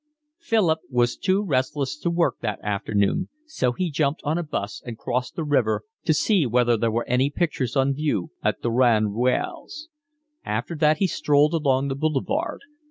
Philip was too restless to work that afternoon, so he jumped on a bus and crossed the river to see whether there were any pictures on view at Durand Ruel's. After that he strolled along the boulevard.